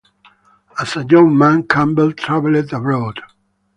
As a young man Campbell travelled abroad.